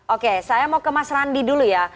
oke saya mau ke mas randi dulu ya